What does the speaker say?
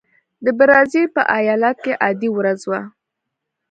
د برازیل په ایالت کې عادي ورځ وه.